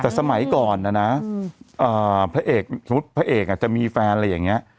แต่สมัยก่อนนะนะพระเอกสมมุติพระเอกจะมีแฟนอะไรอย่างนี้